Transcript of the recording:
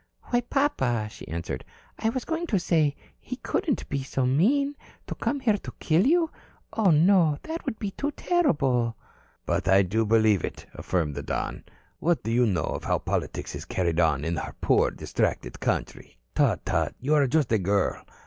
"Why, papa," she answered, "I was going to say he couldn't be so mean. To come here to kill you. Oh, no. That would be too terrible." "But I do believe it," affirmed the Don. "What do you know of how politics is carried on in our poor, distracted country? Tut, tut, you are just a girl.